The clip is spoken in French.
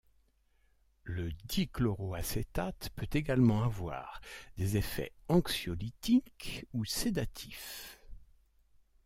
Le dichloroacétate peut également avoir des effets anxiolytiques ou sédatifs.